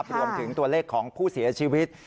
รวมถึงตัวเลขของผู้เสียชีวิต